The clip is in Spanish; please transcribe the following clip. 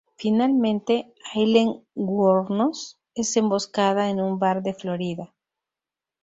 Finalmente, Aileen Wuornos es emboscada en un bar de Florida.